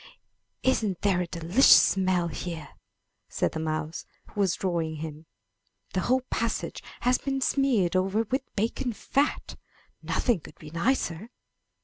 ''Isn't there a delicious smell here!" said the mouse who was drawing him. "The whole passage has been smeared over with bacon fat ! Nothing could be nicer."